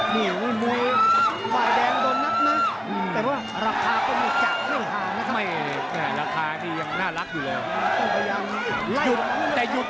มีวินมือหว่ายแดงลงนักนะแต่ว่าราคาก็มีจากที่หลังภาพนะครับ